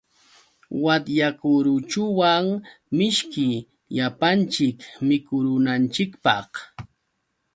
Watyakuruchuwan mishki llapanchik mikurunanchikpaq.